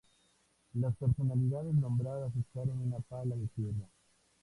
Las personalidades nombradas echaron una pala de tierra.